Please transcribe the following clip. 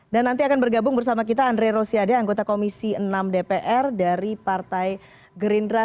dan nanti akan bergabung bersama kita andre rosiade anggota komisi enam dpr dari partai gerindra